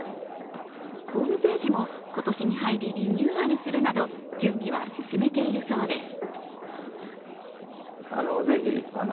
ホームページも今年に入り、リニューアルするなど準備は進めているそうです。